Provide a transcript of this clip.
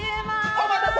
お待たせ！